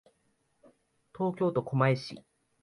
東京都狛江市